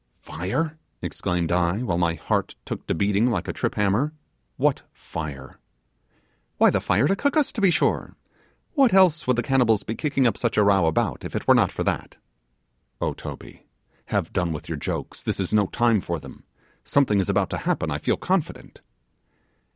'Fire!' exclaimed I, while my heart took to beating like a trip hammer, 'what fire?' 'Why, the fire to cook us, to be sure, what else would the cannibals be kicking up such a row about if it were not for that?' 'Oh, Toby! have done with your jokes; this is no time for them; something is about to happen, I feel confident.